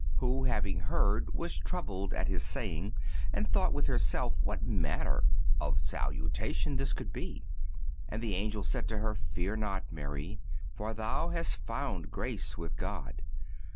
Who, having heard, was troubled at his saying and thought with herself what manner of salutation this should be. And the Angel said to her: Fear not, Mary, for thou hast found grace with God.